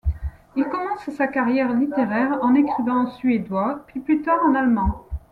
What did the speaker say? Il commence sa carrière littéraire en écrivant en suédois, puis plus tard en allemand.